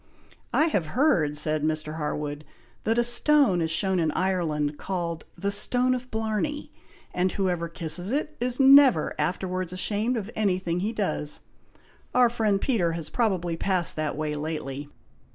"I have heard," said Mr. Harwood, "that a stone is shown in Ireland, called 'the stone of Blarney,' and whoever kisses it, is never afterwards ashamed of any thing he does. Our friend Peter has probably passed that way lately!"